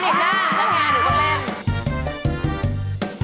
เฮ่ยยอมตัวนี้น่ะ